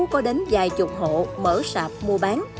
có đến vài chục hộ mở sạp mua bán